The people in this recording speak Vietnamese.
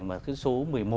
mà cái số một mươi một